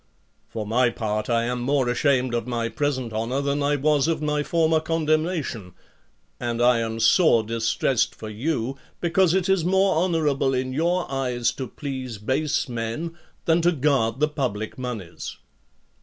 For my part, Iam more ashamed of my present honour than I was of my former condemnation, and I.am sore distressed for you, because. it is more honourable in your eyes to please base men than to guard the public moneys."